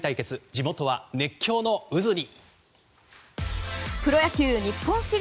地元は熱狂の渦に。